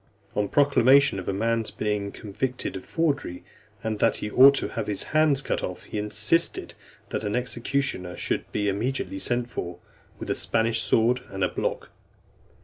On proclamation of a man's being convicted of forgery, and that he ought to have his hand cut off, he insisted that an executioner should be immediately sent for, with a Spanish sword and a block.